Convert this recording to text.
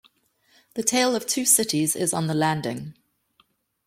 The Tale of Two Cities is on the landing.